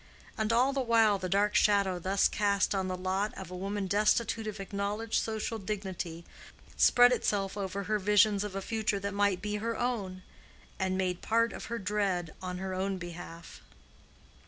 And all the while the dark shadow thus cast on the lot of a woman destitute of acknowledged social dignity, spread itself over her visions of a future that might be her own, and made part of her dread on her own behalf.